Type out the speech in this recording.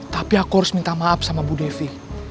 tapi aku harus minta maaf sama bu devi